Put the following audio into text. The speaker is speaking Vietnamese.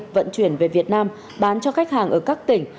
vận chuyển về việt nam bán cho khách hàng ở các tỉnh